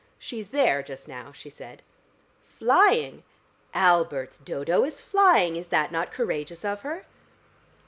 "She's there just now," she said. "Flying? Albert, Dodo is flying. Is that not courageous of her?"